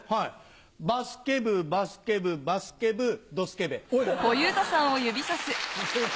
バスケ部、バスケ部、バスケ部、おい。